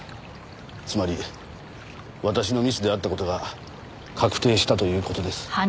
つまり私のミスであった事が確定したという事です。